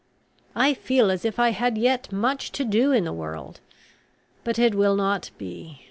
"I feel as if I had yet much to do in the world; but it will not be.